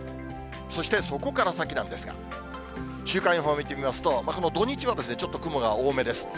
そしてそこから先なんですが、週間予報を見てみますと、この土日はちょっと雲が多めです。